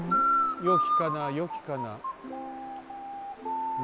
よきかなよきかなな。